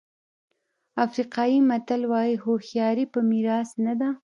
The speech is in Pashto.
افریقایي متل وایي هوښیاري په میراث نه ده.